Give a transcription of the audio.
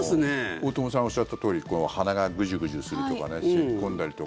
大友さんがおっしゃったとおり鼻がグジュグジュするとかせき込んだりとか。